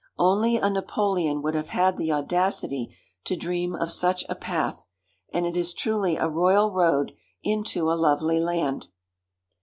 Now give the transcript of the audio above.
Only a Napoleon would have had the audacity to dream of such a path, and it is truly a royal road into a lovely land.